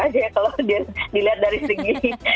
aja ya kalau dilihat dari segi